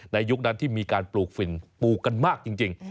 ยุคนั้นที่มีการปลูกฝิ่นปลูกกันมากจริง